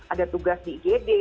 ada tugas di igd